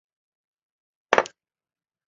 爵波恩君。